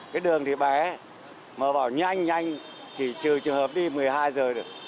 cái đường thì bé mà bảo nhanh nhanh thì trừ trường hợp đi một mươi hai h được